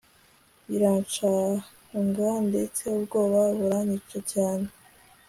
biranshanga ndetse ubwoba buranyica cyane